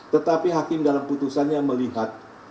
tetapi hakim dalam putusannya melihat